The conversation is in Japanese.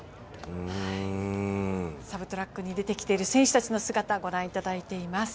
サブトラックに出てきている選手の姿、御覧いただいています。